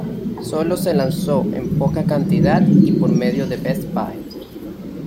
Solo se lanzó en poca cantidad y por medio de Best Buy.